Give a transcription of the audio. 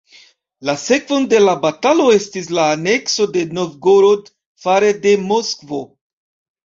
La sekvon de la batalo estis la anekso de Novgorod fare de Moskvo.